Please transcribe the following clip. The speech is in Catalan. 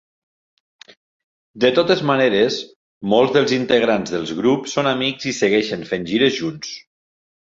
De totes maneres, molts dels integrants dels grups són amics i segueixen fent gires junts.